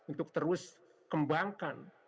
untuk terus kembangkan